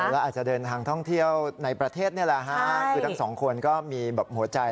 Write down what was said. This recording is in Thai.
แล้วอาจจะเดินทางท่องเที่ยวในประเทศนี่แหละฮะคือทั้งสองคนก็มีแบบหัวใจ